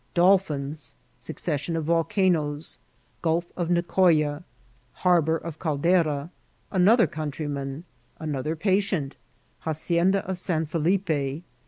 — Dolphins. — Succeation of Volcanoea. ^Oulf of Nicoya.— Haiboar of Caldera.— Another Coantr7man.~AnoCher Patient ^Hacianda of San Falippe.